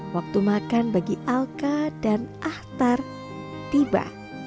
waktu makan bagi alka dan ahtar tiba